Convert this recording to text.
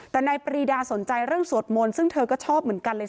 แต่นายปรีดาสนใจเรื่องสวดมนต์ซึ่งเธอก็ชอบเหมือนกันเลย